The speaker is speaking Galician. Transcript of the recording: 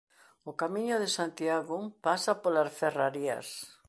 O camiño de Santiago pasa polas Ferrarías.